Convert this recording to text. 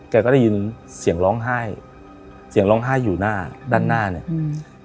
แกก็ได้ยินเสียงร้องไห้เสียงร้องไห้อยู่หน้าด้านหน้าเนี้ยอืม